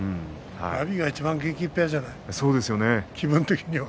阿炎がいちばん元気いっぱいじゃない？